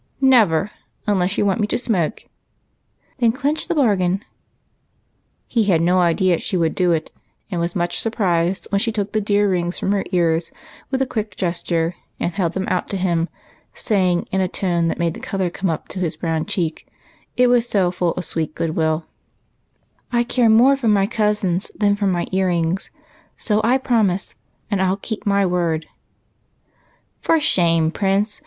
"" Never., unless you want me to smoke." " I never do." " Then clinch the bargain." He had no idea she would do it, and was much surprised when she took the dear rings from her ears, with a quick gesture, and held them out to him, saying, in a tone that made the color come up to his brown cheek, it was so full of sweet good will,— "I care more for my cousins than for my ear rings, so I promise, and I'll keep my word." "For shame, Prince!